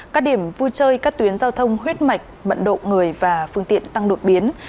các điểm vui chơi các tuyến giao thông huyết mạch mận độ người và phương tiện tăng đột biến